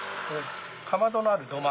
かまどのある土間